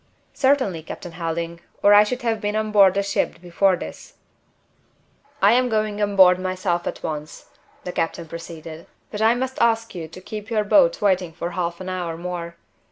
"Certainly, Captain Helding, or I should have been on board the ship before this." "I am going on board myself at once," the captain proceeded, "but I must ask you to keep your boat waiting for half an hour more.